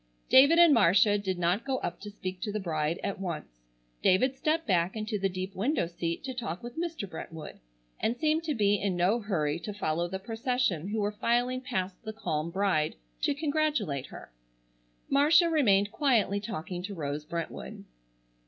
David and Marcia did not go up to speak to the bride at once. David stepped back into the deep window seat to talk with Mr. Brentwood, and seemed to be in no hurry to follow the procession who were filing past the calm bride to congratulate her. Marcia remained quietly talking to Rose Brentwood.